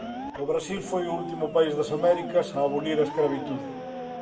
O Brasil foi o último país das Américas a abolir a escravitude.